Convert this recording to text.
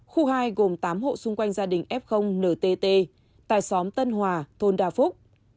khu hai gồm tám hộ xung quanh gia đình f ntt tại xóm tân hòa thôn đa phúc